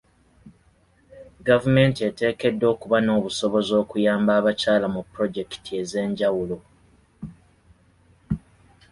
Gavumenti eteekeddwa okuba n'obusobozi okuyamba abakyala mu pulojekiti ez'enjawulo.